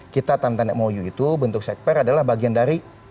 kita tanten mou itu bentuk sekper adalah bagian dari